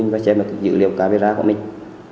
và xem dữ liệu camera của mình